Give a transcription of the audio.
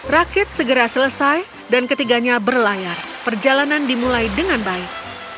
rakit segera selesai dan ketiganya berlayar perjalanan dimulai dengan baik